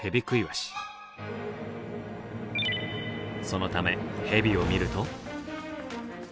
そのためヘビを見ると。